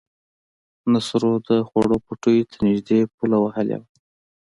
نصرو د خوړ پټيو ته نږدې پوله وهلې وه.